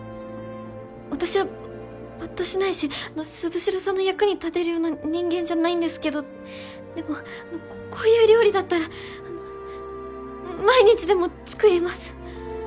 私はぱっとしないし鈴代さんの役に立てるような人間じゃないんですけどでもこういう料理だったら毎日でも作ります。